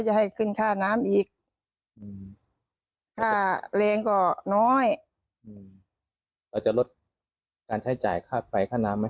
จะให้ขึ้นค่าน้ำอีกค่าแรงก็น้อยเราจะลดการใช้จ่ายค่าไฟค่าน้ำไหม